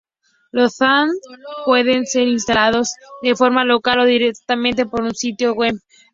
Los add-ons pueden ser instalados de forma local, o directamente por un sitio web.